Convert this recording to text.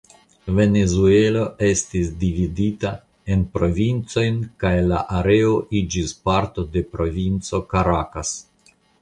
Venezuelo estis dividita en provincojn kaj la areo iĝis parto de provinco Karakas.